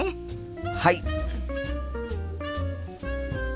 はい！